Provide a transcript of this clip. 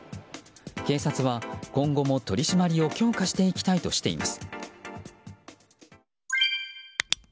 警察は今後も取り締まりを強化していきたいとしています。